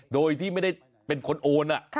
โดยที่ไม่ได้เป็นคนโอน